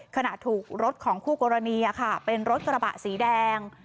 ขณะถูกรถของคู่กรณีเป็นรถกระบะสีแดง